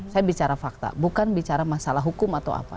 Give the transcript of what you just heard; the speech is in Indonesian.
saya bicara fakta bukan bicara masalah hukum atau apa